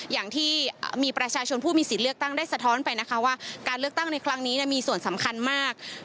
อย่างที่มีประชาชนผู้มีสิทธิ์เลือกตั้งได้สะท้อนไปนะคะว่าการเลือกตั้งในครั้งนี้มีส่วนสำคัญมาก